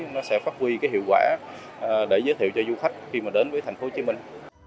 nó sẽ phát huy cái hiệu quả để giới thiệu cho du khách khi mà đến với thành phố hồ chí minh